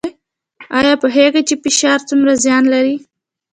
ایا پوهیږئ چې فشار څومره زیان لري؟